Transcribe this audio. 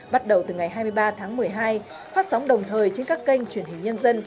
bắt đầu từ ngày hai mươi ba tháng một mươi hai phát sóng đồng thời trên các kênh truyền hình nhân dân